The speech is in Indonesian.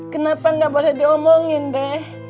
kenapa nggak boleh diomongin deh